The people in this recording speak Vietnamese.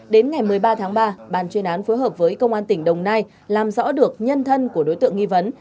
đến ngày một mươi ba tháng ba bàn chuyên án phối hợp với công an tỉnh đồng nai làm rõ được nhân thân của đối tượng nghi vấn